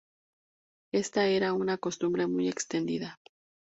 Esta era una costumbre muy extendida.